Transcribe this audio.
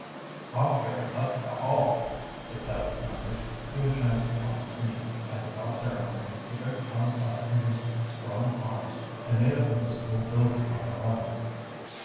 "I'll carry him up to the Hall," said Peleg Snuggers, who had chanced upon the scene, and without ceremony he picked Tom up in his strong arms and made off for the school building on a run.